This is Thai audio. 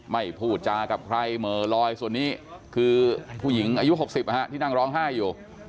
พูดจากับใครเหม่อลอยส่วนนี้คือผู้หญิงอายุ๖๐ที่นั่งร้องไห้อยู่